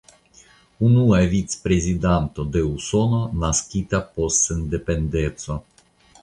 Unua vicprezidanto de Usono naskita post sendependeco.